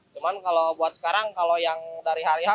cuman kalau buat sekarang kalau yang dari hari hari